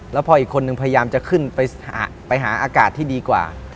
แล้วพออีกคนนึงพยายามจะขึ้นไปหาอากาศที่ดีกว่า